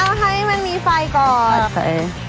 เอาให้มันมีไฟก่อน